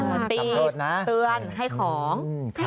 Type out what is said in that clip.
น่ารักตีเตือนให้ของ